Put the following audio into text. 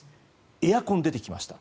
エアコン、出てきました。